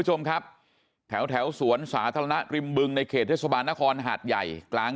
คุณผู้ชมครับแถวสวนสาธารณะริมบึงในเขตเทศบาลนครหาดใหญ่กลาง